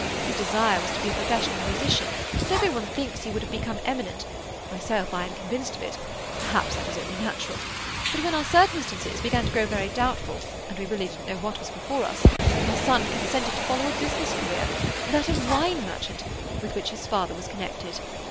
His desire was to be a professional musician, and every one thinks he would have become eminent; myself, I am convinced of it—perhaps that is only natural. But when our circumstances began to grow very doubtful, and we really didn't know what was before us, my son consented to follow a business career—that of wine merchant, with which his father was connected.